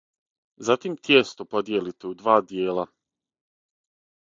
Затим тијесто подијелите у два дијела.